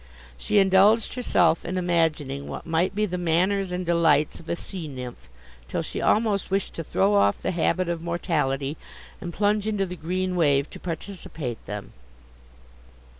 She indulged herself in imagining what might be the manners and delights of a sea nymph, till she almost wished to throw off the habit of mortality, and plunge into the green wave to participate them.